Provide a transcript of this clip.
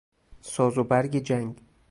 ساز و برگ جنگ